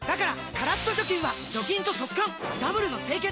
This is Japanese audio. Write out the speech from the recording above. カラッと除菌は除菌と速乾ダブルの清潔！